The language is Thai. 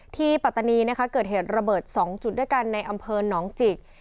ปัตตานีนะคะเกิดเหตุระเบิด๒จุดด้วยกันในอำเภอหนองจิก